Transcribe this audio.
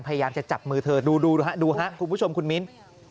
พยายามจะจับมือเธอดูดูฮะดูครับคุณผู้ชมคุณมิ้น